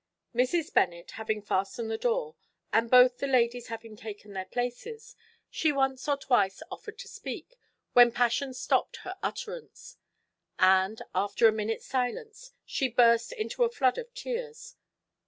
_ Mrs. Bennet having fastened the door, and both the ladies having taken their places, she once or twice offered to speak, when passion stopt her utterance; and, after a minute's silence, she burst into a flood of tears.